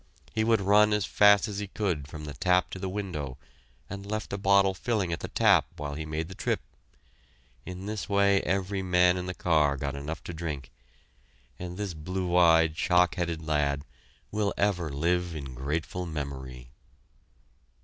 He would run as fast as he could from the tap to the window, and left a bottle filling at the tap while he made the trip. In this way every man in the car got enough to drink, and this blue eyed, shock headed lad will ever live in grateful memory.